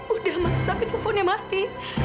udah mas tapi kufonnya mati